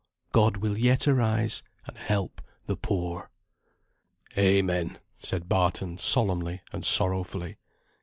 God will yet arise, and help the poor. "Amen!" said Barton, solemnly, and sorrowfully.